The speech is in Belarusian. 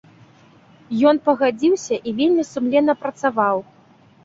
Ён пагадзіўся і вельмі сумленна працаваў.